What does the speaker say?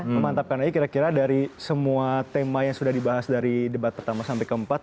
memantapkan aja kira kira dari semua tema yang sudah dibahas dari debat pertama sampai keempat